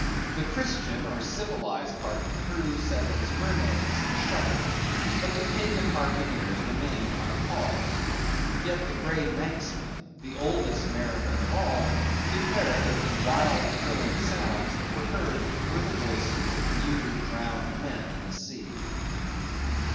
The Christian or civilized part of the crew said it was mermaids, and shuddered; but the pagan harpooneers remained unappalled. Yet the grey Manxman—the oldest mariner of all—declared that the wild thrilling sounds that were heard, were the voices of newly drowned men in the sea.